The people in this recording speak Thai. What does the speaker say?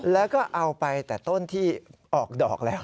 แล้วก็เอาไปแต่ต้นที่ออกดอกแล้ว